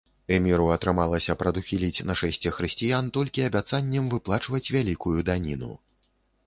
Эміру атрымалася прадухіліць нашэсце хрысціян толькі абяцаннем выплачваць вялікую даніну.